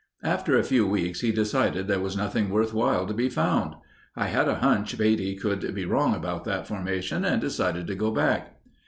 After a few weeks he decided there was nothing worthwhile to be found. "I had a hunch Beatty could be wrong about that formation and decided to go back."